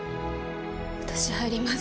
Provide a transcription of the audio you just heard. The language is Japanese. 私入ります。